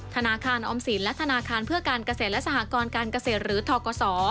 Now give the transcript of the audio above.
ธนาคารออมสินและธนาคารเพื่อการเกษตรและสหกรการเกษตรหรือทกศ